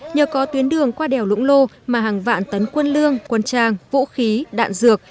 nhờ có tuyến đường qua đèo lũng lô mà hàng vạn tấn quân lương quân trang vũ khí đạn dược